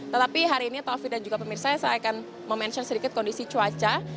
tetapi hari ini taufik dan juga pemirsa saya akan mention sedikit kondisi cuaca